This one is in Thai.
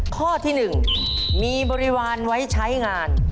ข้อที่๑มีบริวารไว้ใช้งาน